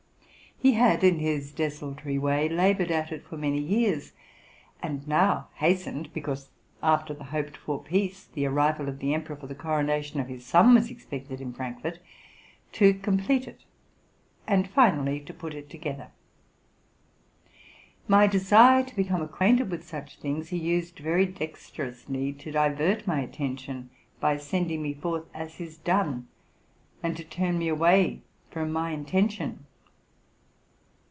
He had, in his desultory way, labored at it for many years, and now hastened — because after the hoped for peace the arrival of the emperor, for the coronation of his son, was expected in Frankfort — to complete it and finally to put it together. My desire to become acquainted with such things he used very dexterously to divert my attention by sending me forth as his dun, and to turn me away from my intention.